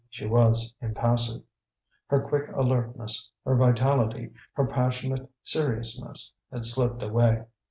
She was impassive. Her quick alertness, her vitality, her passionate seriousness, had slipped away.